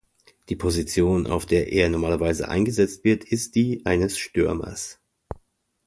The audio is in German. Die Position, auf der er normalerweise eingesetzt wird, ist die eines Stürmers.